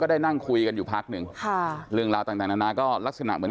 ได้นั่งคุยกันอยู่พักหนึ่งค่ะเรื่องราวต่างต่างนานาก็ลักษณะเหมือน